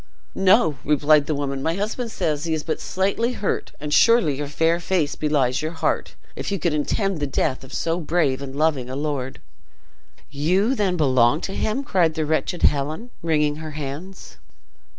"No," replied the woman; "my husband says he is but slightly hurt; and surely your fair face belies your heart, if you could intend the death of so brave and loving a lord!" "You then belong to him?" cried the wretched Helen, wringing her hands.